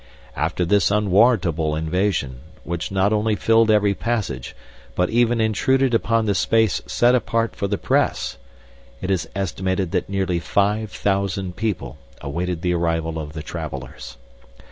After this unwarrantable invasion, which not only filled every passage, but even intruded upon the space set apart for the Press, it is estimated that nearly five thousand people awaited the arrival of the travelers.